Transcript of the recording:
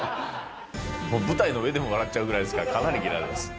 もう舞台の上でも笑っちゃうぐらいですから、かなりゲラです。